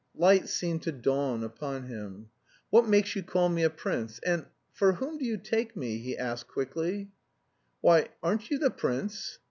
Light seemed to dawn upon him. "What makes you call me a prince, and... for whom do you take me?" he asked quickly. "Why, aren't you the prince?"